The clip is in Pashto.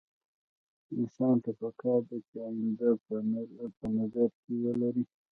انسان ته پکار ده چې اينده په نظر کې ولري.